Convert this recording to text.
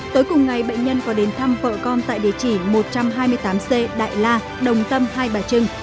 tối cùng ngày bệnh nhân có đến thăm vợ con tại địa chỉ một trăm hai mươi tám c đại la đồng tâm hai bà trưng